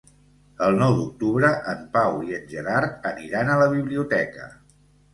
El nou d'octubre en Pau i en Gerard aniran a la biblioteca.